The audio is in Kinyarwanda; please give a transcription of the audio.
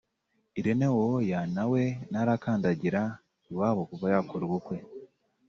Irene Uwoya na we ntarakandagira iwabo kuva yakora ubukwe